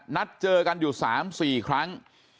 นัดเจอกันอยู่๓๔ครั้ง